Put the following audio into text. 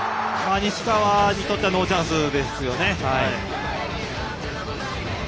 西川にとってはノーチャンスですよね。